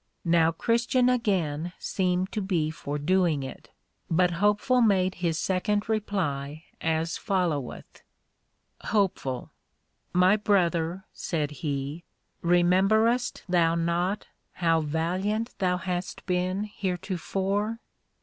Now Christian again seemed to be for doing it, but Hopeful made his second reply as followeth: HOPE. My Brother, said he, rememberest thou not how valiant thou hast been heretofore?